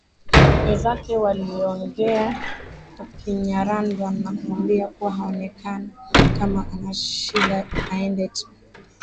Wenzake waliongea kwa Kinyarwanda na kumwambia kua haonekana kama ana shida aende tu